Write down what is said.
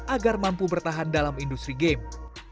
agar mampu bertahan dalam industri game